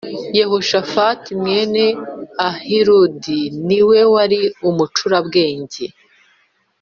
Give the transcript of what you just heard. Yehoshafati mwene Ahiludi ni we wari umucurabwenge